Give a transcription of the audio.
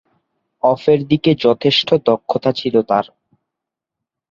অফের দিকে যথেষ্ট দক্ষতা ছিল তার।